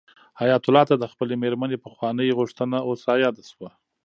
حیات الله ته د خپلې مېرمنې پخوانۍ غوښتنه اوس رایاده شوه.